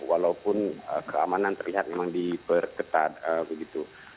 walaupun keamanan terlihat memang diperketat begitu